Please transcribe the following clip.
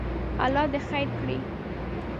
الله دې خیر کړي.